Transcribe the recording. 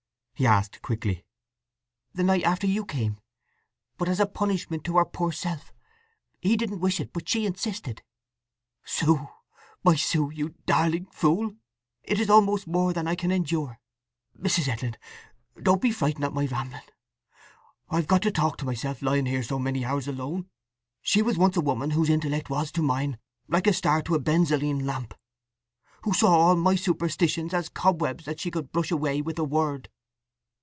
he asked quickly. "The night after you came. But as a punishment to her poor self. He didn't wish it, but she insisted." "Sue, my Sue—you darling fool—this is almost more than I can endure! … Mrs. Edlin—don't be frightened at my rambling—I've got to talk to myself lying here so many hours alone—she was once a woman whose intellect was to mine like a star to a benzoline lamp: who saw all my superstitions as cobwebs that she could brush away with a word.